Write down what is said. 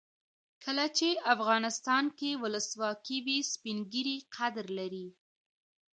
کله چې افغانستان کې ولسواکي وي سپین ږیري قدر لري.